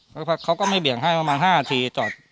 แล้วครับเขาก็ไม่บี่ย่งให้วัน๕ที